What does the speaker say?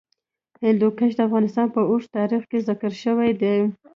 هندوکش د افغانستان په اوږده تاریخ کې ذکر شوی دی.